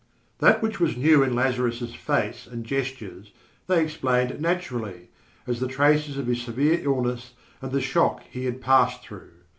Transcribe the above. That which was new in Lazarus' face and gestures they explained naturally, as the traces of his severe illness and the shock he had passed through.